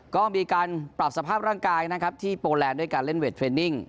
ก็มีการปรับสภาพร่างกายนะครับที่โปแลนด์ด้วยการเล่นเวทเทรนนิ่ง